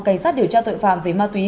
cảnh sát điều tra tội phạm về ma túy